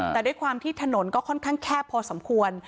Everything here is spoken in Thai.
แต่ด้วยความที่ถนนก็ค่อนข้างแคบพอสมควร